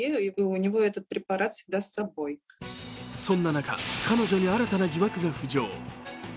そんな中、彼女に新たな疑惑が浮上。